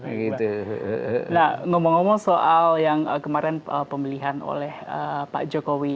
nah ngomong ngomong soal yang kemarin pemilihan oleh pak jokowi